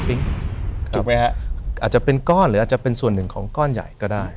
ถูกไหมฮะอาจจะเป็นก้อนหรืออาจจะเป็นส่วนหนึ่งของก้อนใหญ่ก็ได้